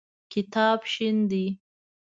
کتاب شین دی.